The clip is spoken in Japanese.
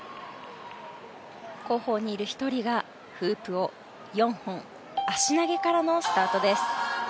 後方にいる１人がフープを４本足投げからのスタートです。